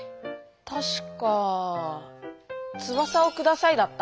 たしか「翼をください」だった。